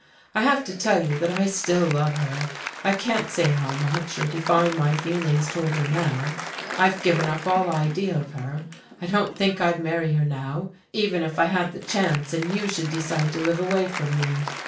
I have to tell you that I still love her I can't say how much, or define my feelings toward her now. I've given up all idea of her. I don't think I'd marry her now, even if I had the chance, and you should decide to live away from me.